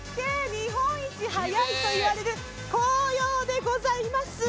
日本一早いといわれる紅葉でございます。